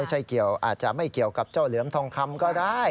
เกี่ยวอาจจะไม่เกี่ยวกับเจ้าเหลือมทองคำก็ได้